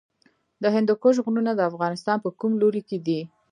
د هندوکش غرونه د افغانستان په کوم لوري کې دي؟